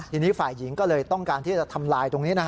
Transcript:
ทีนี้ฝ่ายหญิงก็เลยต้องการที่จะทำลายตรงนี้นะฮะ